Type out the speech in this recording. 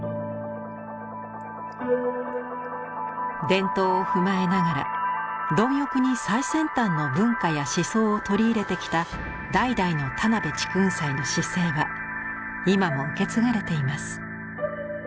伝統を踏まえながら貪欲に最先端の文化や思想を取り入れてきた代々の田辺竹雲斎の姿勢は今も受け継がれています。